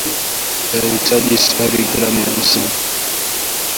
utahitaji sukari gram mia hamsini